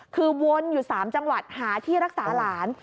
คือวนอยู่๓จังหวัดหาที่รักษาหลาน